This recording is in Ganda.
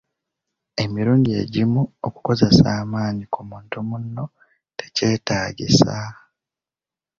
Emirundi egimu okukozesa amaanyi ku muntu munno tekyetaagisa.